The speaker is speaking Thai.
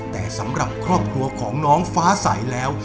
แต่สำหรับครอบครัวของน้องฟ้าใสแล้ว